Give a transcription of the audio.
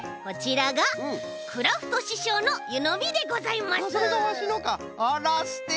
こちらがクラフトししょうのゆのみでございます。